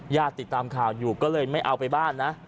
ติดตามข่าวอยู่ก็เลยไม่เอาไปบ้านนะ